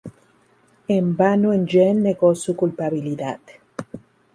En vano Enghien negó su culpabilidad.